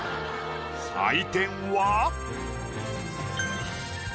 採点は。